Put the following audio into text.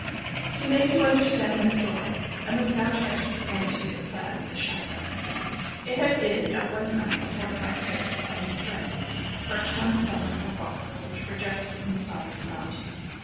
To make you understand my story, I must now try to explain to you the plan of the château. It had been at one time a fortified place of some strength, perched on the summit of a rock, which projected from the side of the mountain.